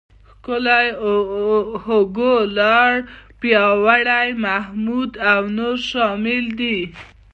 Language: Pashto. ښکلی، هوګو، لاړ، پیاوړی، محمود او نور شامل دي.